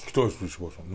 石橋さん。